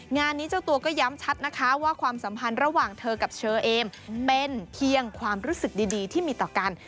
งานนี้เจ้าตัวก็ย้ำชัดนะคะว่าความสัมพันธ์ระหว่างเธอกับเชอเอมเป็นเพียงความรู้สึกดีที่มีต่อกัน